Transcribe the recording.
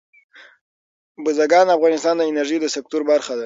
بزګان د افغانستان د انرژۍ د سکتور برخه ده.